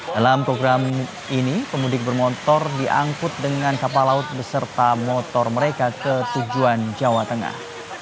dalam program ini pemudik bermotor diangkut dengan kapal laut beserta motor mereka ke tujuan jawa tengah